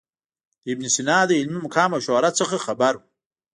د ابن سینا له علمي مقام او شهرت څخه خبر و.